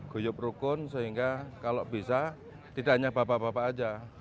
guyup rukun sehingga kalau bisa tidak hanya bapak bapak saja